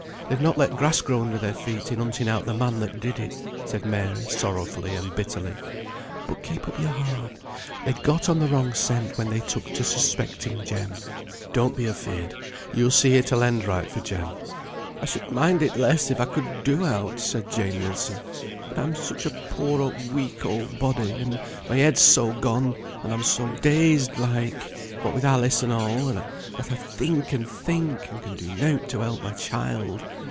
they've not let grass grow under their feet, in hunting out the man that did it," said Mary, sorrowfully and bitterly. "But keep up your heart. They got on the wrong scent when they took to suspecting Jem. Don't be afeard. You'll see it will end right for Jem." "I should mind it less if I could do aught," said Jane Wilson; "but I'm such a poor weak old body, and my head's so gone, and I'm so dazed like, what with Alice and all, that I think and think, and can do nought to help my child.